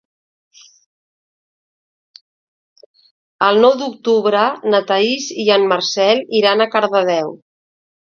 El nou d'octubre na Thaís i en Marcel iran a Cardedeu.